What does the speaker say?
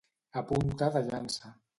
A punta de llança.